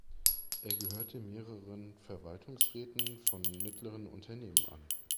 Er gehörte mehreren Verwaltungsräten von mittleren Unternehmen an.